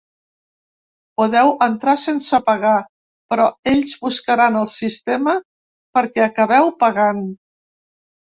Podeu entrar sense pagar, però ells buscaran el sistema perquè acabeu pagant.